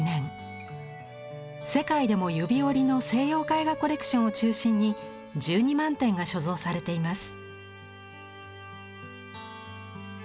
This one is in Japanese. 世界でも指折りの西洋絵画コレクションを中心に１２万点が所蔵されています。